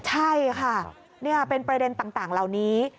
ใช่ค่ะนี่เป็นประเด็นต่างเหล่านี้